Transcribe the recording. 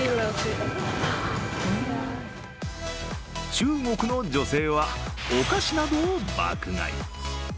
中国の女性はお菓子などを爆買い。